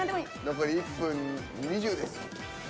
残り１分２０です。